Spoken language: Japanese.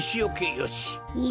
よし！